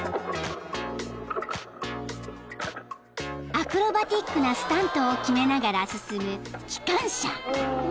［アクロバティックなスタントを決めながら進む機関車］